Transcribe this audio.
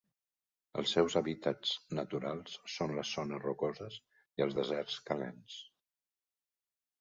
Els seus hàbitats naturals són les zones rocoses i els deserts calents.